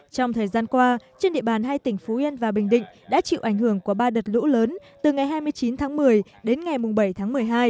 trong thời gian qua trên địa bàn hai tỉnh phú yên và bình định đã chịu ảnh hưởng của ba đợt lũ lớn từ ngày hai mươi chín tháng một mươi đến ngày bảy tháng một mươi hai